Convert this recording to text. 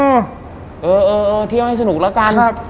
อืมเออเออเออเที่ยวให้สนุกแล้วกันครับ